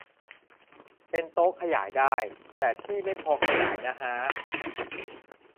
เป็นโต๊ะขยายได้ แต่ที่ไม่พอขยายนะฮะ